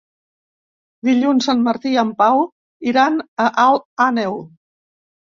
Dilluns en Martí i en Pau iran a Alt Àneu.